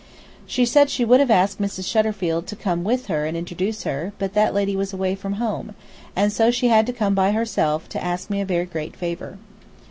She said she would have asked Mrs. Shutterfield to come with her and introduce her, but that lady was away from home, and so she had come by herself to ask me a very great favor.